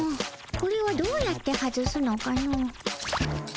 これはどうやって外すのかの？